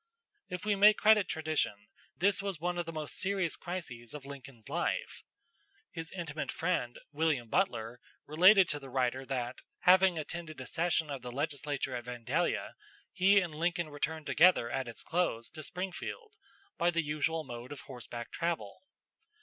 If we may credit tradition, this was one of the most serious crises of Lincoln's life. His intimate friend, William Butler, related to the writer that, having attended a session of the legislature at Vandalia, he and Lincoln returned together at its close to Springfield by the usual mode of horseback travel.